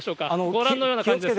ご覧のような感じです。